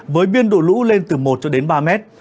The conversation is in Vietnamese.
với biên độ lũ lên từ một cho đến ba mét